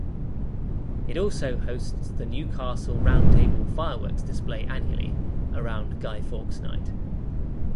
It also hosts the Newcastle Roundtable Fireworks Display annually around Guy Fawkes Night.